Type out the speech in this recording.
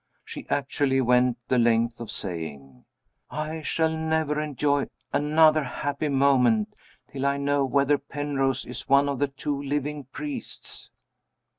She actually went the length of saying, "I shall never enjoy another happy moment till I know whether Penrose is one of the two living priests!"